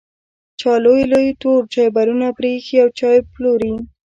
چا لوی لوی تور چایبرونه پرې ایښي او چای پلوري.